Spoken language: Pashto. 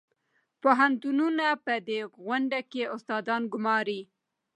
پوهنتونونه په دې غونډه کې استادان ګماري.